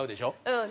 うん。